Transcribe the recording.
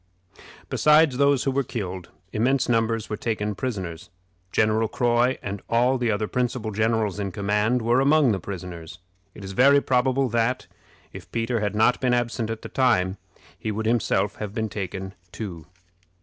Besides those who were killed, immense numbers were taken prisoners. General Croy, and all the other principal generals in command, were among the prisoners. It is very probable that, if Peter had not been absent at the time, he would himself have been taken too.